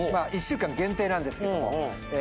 １週間限定なんですけども。